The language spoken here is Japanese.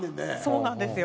そうなんですよ。